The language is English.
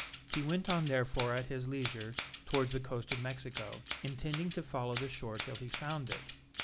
He went on therefore at his leisure towards the coast of Mexico, intending to follow the shore till he found it.